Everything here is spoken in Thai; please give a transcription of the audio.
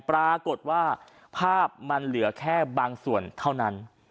ปรากฏว่าภาพมันเหลือแค่บางส่วนเท่านั้น